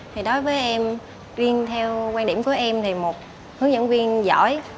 thì đối với em riêng theo quan điểm của em thì một hướng dẫn viên giỏi